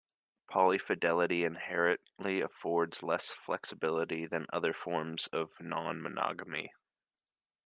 Polyfidelity inherently affords less flexibility than other forms of nonmonogamy.